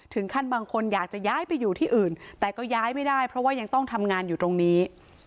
ถึงขั้นบางคนอยากจะย้ายไปอยู่ที่อื่นแต่ก็ย้ายไม่ได้เพราะว่ายังต้องทำงานอยู่ตรงนี้